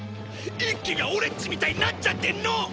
一輝が俺っちみたいになっちゃってんの！